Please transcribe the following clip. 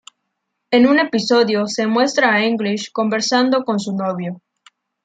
En un episodio se muestra a English conversando con su novio.